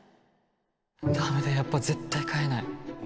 ダメだやっぱ絶対飼えない